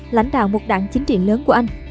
lãnh đạo một đảng chính trị lớn của anh